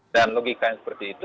dan logika yang seperti itu